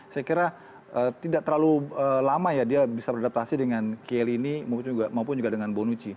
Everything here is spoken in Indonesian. saya kira tidak terlalu lama ya dia bisa beradaptasi dengan kieli ini maupun juga dengan bonucci